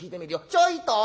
ちょいと！